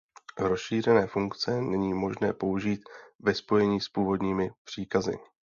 Rozšířené funkce není možné použít ve spojení s původními příkazy.